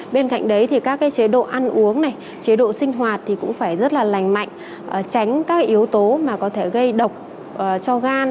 bên cạnh đấy thì các chế độ ăn uống này chế độ sinh hoạt thì cũng phải rất là lành mạnh tránh các yếu tố mà có thể gây độc cho gan